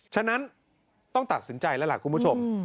ฉะนั้นต้องตัดสินใจแล้วล่ะคุณผู้ชม